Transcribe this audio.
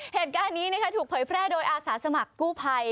เหตุการณ์นี้ถูกเผยแพร่โดยอาสาสมัครกู้ภัย